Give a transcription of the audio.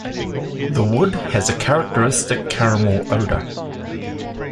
The wood has a characteristic caramel odour.